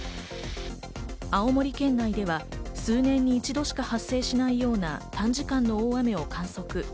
青森県内では数年に一度しか発生しないような短時間の大雨を観測。